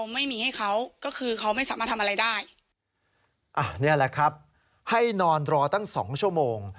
นี่แหละครับให้นอนรอตั้ง๒ชั่วโมง